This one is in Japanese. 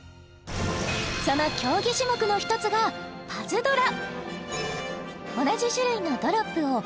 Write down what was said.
その競技種目の一つが「パズドラ」